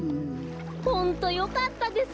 ホントよかったです。